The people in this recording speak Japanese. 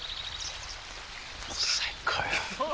最高よ。